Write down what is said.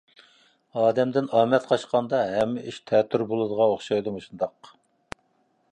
ئادەمدىن ئامەت قاچقاندا، ھەممە ئىش تەتۈر بولىدىغان ئوخشايدۇ مۇشۇنداق!